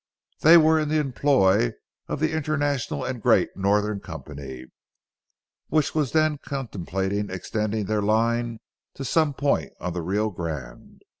They were in the employ of the International and Great Northern Company, which was then contemplating extending their line to some point on the Rio Grande.